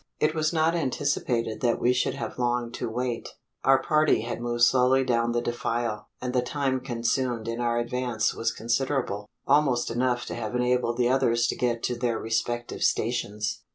It was not anticipated that we should have long to wait. Our party had moved slowly down the defile; and the time consumed in our advance was considerable almost enough to have enabled the others to get to their respective stations.